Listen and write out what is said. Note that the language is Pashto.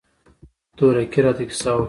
تورکي راته کيسه وکړه.